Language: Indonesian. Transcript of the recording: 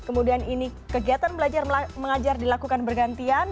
kemudian ini kegiatan belajar mengajar dilakukan bergantian